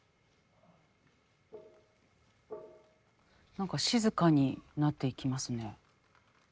何か静かになっていきますね。